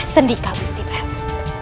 sendika gusti prabu